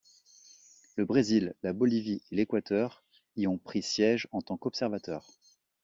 Le Brésil, la Bolivie et l'Équateur y ont pris siège en tant qu'observateurs.